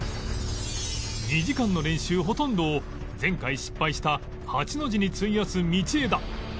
２時間の練習ほとんどを前回失敗した８の字に費やす道枝